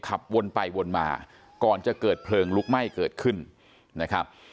ขับวนไปวนมาก่อนจะเกิดเพลิงลุกไหม้เกิดขึ้นนะครับ